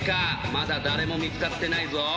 まだ誰も見つかってないぞ。